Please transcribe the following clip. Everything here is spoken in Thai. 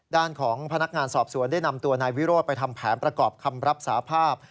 ด้านของพนักงานสอบสวนได้นำตัวนายวิโรธไปทำแผนประกอบคำรับสาภาพ